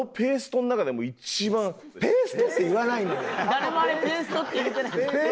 誰もあれペーストって言うてない。